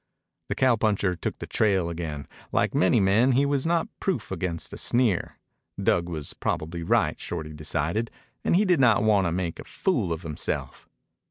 The cowpuncher took the trail again. Like many men, he was not proof against a sneer. Dug was probably right, Shorty decided, and he did not want to make a fool of himself.